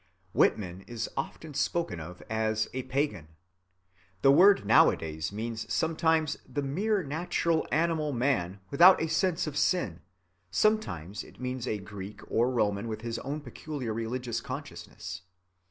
Whitman is often spoken of as a "pagan." The word nowadays means sometimes the mere natural animal man without a sense of sin; sometimes it means a Greek or Roman with his own peculiar religious consciousness.